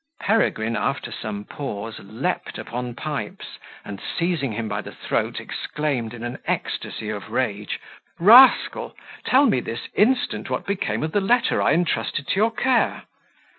Peregrine, after some pause, leaped upon Pipes, and seizing him by the throat, exclaimed, in an ecstasy of rage. "Rascal! tell me this instant what became of the letter I entrusted to your care."